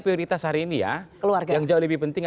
prioritas hari ini ya keluarga yang jauh lebih penting